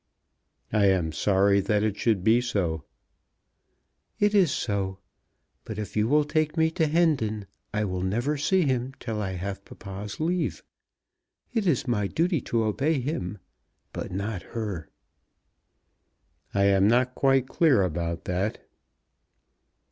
"I am sorry that it should be so." "It is so. But if you will take me to Hendon I will never see him till I have papa's leave. It is my duty to obey him, but not her." "I am not quite clear about that."